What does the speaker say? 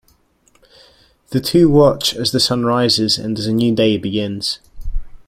The two watch as the sun rises and as a new day begins.